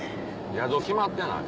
宿決まってない。